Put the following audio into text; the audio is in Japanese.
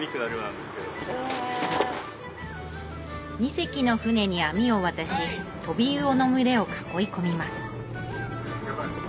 ２隻の船に網を渡しトビウオの群れを囲い込みます